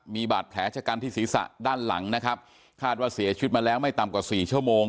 มีบาดแผลชะกันที่ศีรษะด้านหลังนะครับคาดว่าเสียชีวิตมาแล้วไม่ต่ำกว่าสี่ชั่วโมง